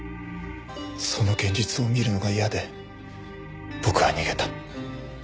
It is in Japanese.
その現実を見るのが嫌で僕は逃げた。